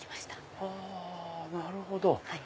はぁなるほど。